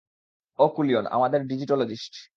ও কুলিয়ন, আমাদের ডিজিটলজিস্ট।